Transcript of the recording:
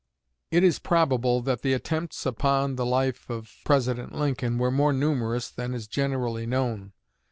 It is probable that the attempts upon the life of President Lincoln were more numerous than is generally known.